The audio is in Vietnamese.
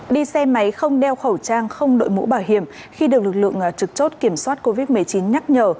đi xe máy không đeo khẩu trang không đội mũ bảo hiểm khi được lực lượng trực chốt kiểm soát covid một mươi chín nhắc nhở